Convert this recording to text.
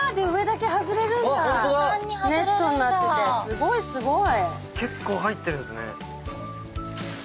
すごいすごい。